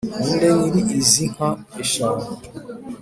ninde nyiri izi inka eshanu,